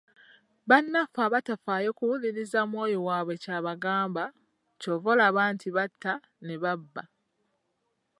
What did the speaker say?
Bannaffe abatafaayo kuwuliriza mwoyo waabwe ky’abagamba, ky'ova olaba nti batta, ne babba